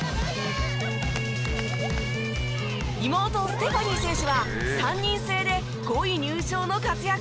妹ステファニー選手は３人制で５位入賞の活躍！